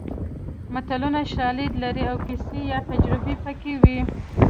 متلونه شالید لري او کیسه یا تجربه پکې وي